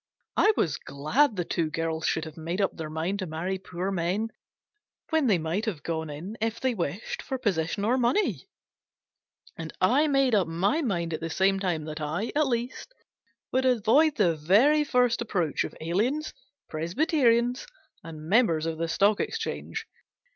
I was glad the two girls should have made up their mind to marry poor men, when they might have gone in, if they wished, for position or money ; and I made up my mind at the same time that I, at least, would avoid the very first approach of aliens, Presbyterians, and members of the Stock Exchange.